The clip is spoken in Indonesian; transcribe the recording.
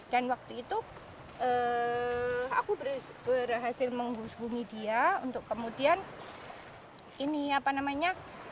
dan waktu itu aku berhasil menghubungi dia untuk kemudian ini apa namanya